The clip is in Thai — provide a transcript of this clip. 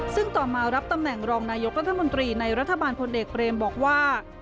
ซึ่งต่อมารับตำแหน่งรองนายกรัฐมนตรีในรัฐบาลพลเอกเบรมบอกว่า